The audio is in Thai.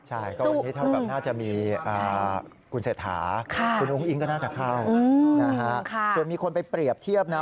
สู้คุณสายท้าบอกว่าคุณเสธาคุณองค์อิงก็น่าจะเข้านะฮะส่วนมีคนไปเปรียบเทียบนะ